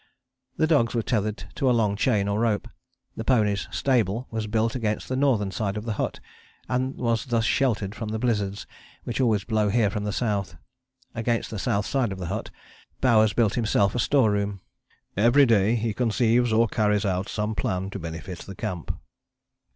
The dogs were tethered to a long chain or rope. The ponies' stable was built against the northern side of the hut, and was thus sheltered from the blizzards which always blow here from the south. Against the south side of the hut Bowers built himself a store room. "Every day he conceives or carries out some plan to benefit the camp."